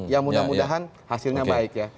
ya mudah mudahan hasilnya baik ya